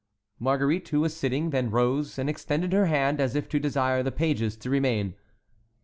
Marguerite, who was sitting, then rose and extended her hand, as if to desire the pages to remain.